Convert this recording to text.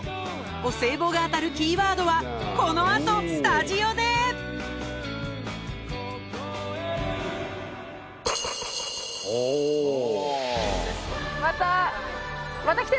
お歳暮が当たるキーワードはこのあとスタジオでまた。